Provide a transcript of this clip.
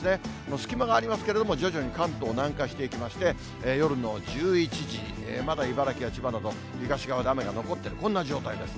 隙間がありますけれども、徐々に関東を南下していきまして、夜の１１時、まだ茨城や千葉など、東側で雨が残ってる、こんな状態です。